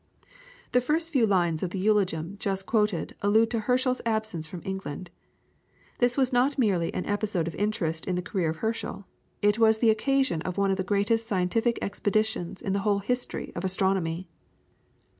The first few lines of the eulogium just quoted allude to Herschel's absence from England. This was not merely an episode of interest in the career of Herschel, it was the occasion of one of the greatest scientific expeditions in the whole history of astronomy.